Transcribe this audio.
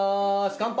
乾杯！